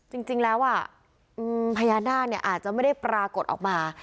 จริงแล้วพญานาคอาจจะไม่ได้ปรากฏออกมา